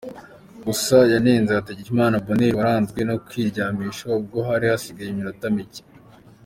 Gusa yanenze Hategekimana Bonheur waranzwe no kwiryamisha ubwo hari hasigaye iminota micye.